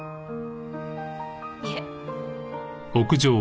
いえ。